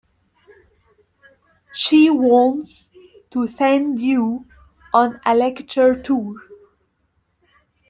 She wants to send you on a lecture tour.